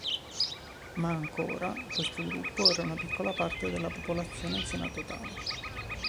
Ma ancora, questo gruppo era una piccola parte della popolazione anziana totale.